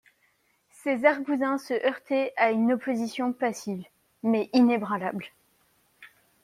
Ses argousins se heurtaient à une opposition passive, mais inébranlable.